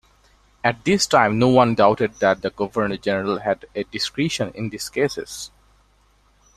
At this time no-one doubted that the Governor-General had a discretion in these cases.